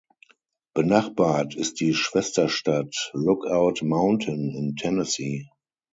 Benachbart ist die Schwesterstadt Lookout Mountain in Tennessee.